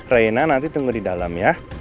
reina nanti tunggu di dalam ya